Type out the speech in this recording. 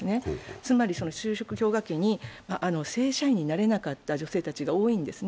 つまり就職氷河期に正社員になれなかった女性たちが多いんですね。